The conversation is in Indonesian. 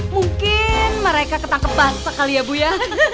mungkin mereka ketangkep base kali ya bu ya